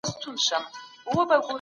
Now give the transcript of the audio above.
خو اوس ډېري نجوني ښوونځیو ته ځي.